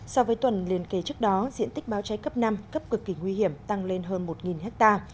so với tuần liên kế trước đó diện tích báo cháy cấp năm cấp cực kỳ nguy hiểm tăng lên hơn một ha